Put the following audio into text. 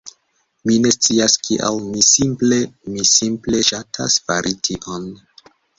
Mi ne scias kial, mi simple, mi simple ŝatas fari tion.